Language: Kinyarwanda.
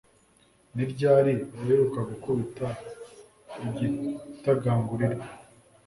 Ni ryari uheruka gukubita igitagangurirwa?